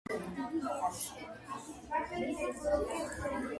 ჯავა–როკის საავტომობილო გზაზე.